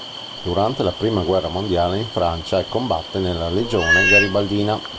Durante la I Guerra Mondiale è in Francia e combatte nella Legione Garibaldina.